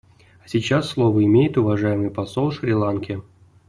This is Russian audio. А сейчас слово имеет уважаемый посол Шри-Ланки.